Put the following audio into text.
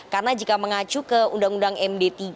karena jika mengacu ke undang undang md tiga